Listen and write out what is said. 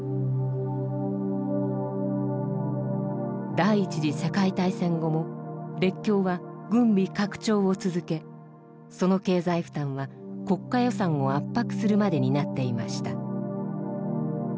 第一次世界大戦後も列強は軍備拡張を続けその経済負担は国家予算を圧迫するまでになっていました。